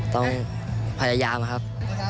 ต้องพยายามครับ